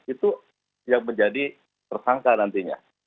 itu yang menjadi tersangka nantinya